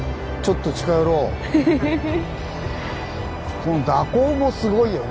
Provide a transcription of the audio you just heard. この蛇行もすごいよね。